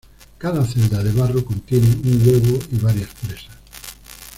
Cada celda de barro contiene un huevo y varias presas.